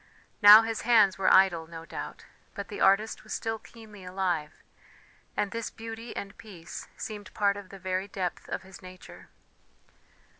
Now his hands were idle, no doubt, but the artist was still keenly alive, and this beauty and peace seemed part of the very depth of his nature.